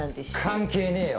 関係ねえよ！